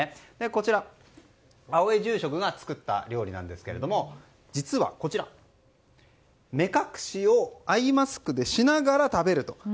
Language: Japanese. こちら、青江住職が作った料理なんですけども実は、目隠しをアイマスクでしながら食べると。